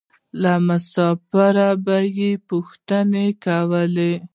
له مسافرو به یې پوښتنې کولې.